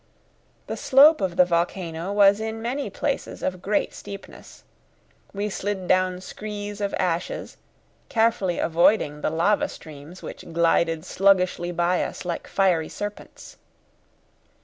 The slope of the volcano was in many places of great steepness. We slid down screes of ashes, carefully avoiding the lava streams which glided sluggishly by us like fiery serpents.